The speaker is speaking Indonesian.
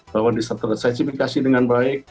bahwa disertifikasi dengan baik